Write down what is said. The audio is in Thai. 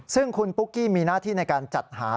ซึ่งคุณปุ๊กกี้มีหน้าที่ในการจัดหา